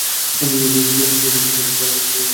তাই এর কিছু অংশ আস্তে আস্তে ভেঙে পড়ে।